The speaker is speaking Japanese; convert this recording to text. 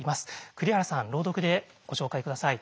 栗原さん朗読でご紹介下さい。